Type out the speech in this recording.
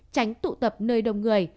tránh tụ tập nơi đông người